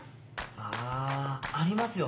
あありますよね